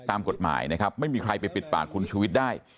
ตามกฎหมายนะครับไม่มีใครไปปิดปากคุณชุวิตได้